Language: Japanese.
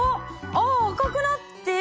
あ赤くなって。